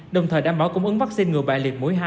đồng thời đảm bảo cung ứng vaccine ngừa bại liệt mũi hai